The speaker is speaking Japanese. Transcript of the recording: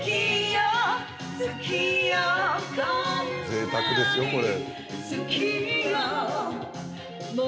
ぜいたくですよこれ。